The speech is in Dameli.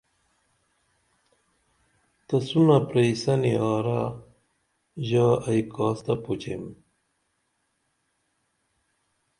تسُونہ پرئی سنی آرہ ژا ائی کاس تہ پُچیم